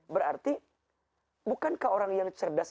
berarti bukankah orang yang cerdas